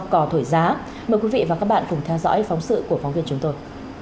cò thổi giá mời quý vị và các bạn cùng theo dõi phóng sự của phóng viên chúng tôi